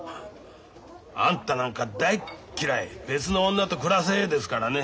「あんたなんか大っ嫌い別の女と暮らせ」ですからね。